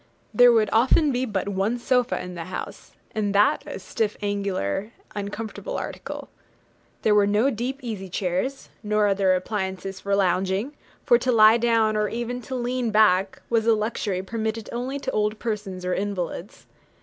There would often be but one sofa in the house, and that a stiff, angular, uncomfortable article. There were no deep easy chairs, nor other appliances for lounging; for to lie down, or even to lean back, was a luxury permitted only to old persons or invalids.